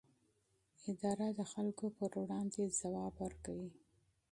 اداره د خلکو پر وړاندې ځواب ورکوي.